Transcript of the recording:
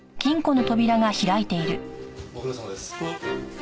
ご苦労さまです。